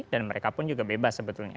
dan mereka pun juga bebas sebetulnya